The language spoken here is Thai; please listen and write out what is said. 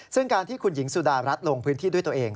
ซึ่งการที่คุณหญิงสุดารัฐลงพื้นที่ด้วยตัวเอง